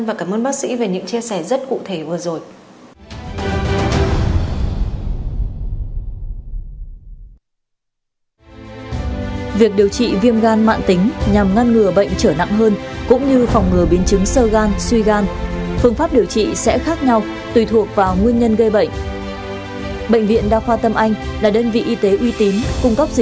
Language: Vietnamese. và cảm ơn bác sĩ về những chia sẻ rất cụ thể vừa rồi